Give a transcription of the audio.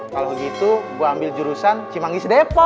kalau gitu gue ambil jurusan cimanggi sedepo